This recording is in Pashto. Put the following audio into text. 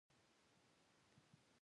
د شرک او بوت پرستۍ خوا ته لاړ شي.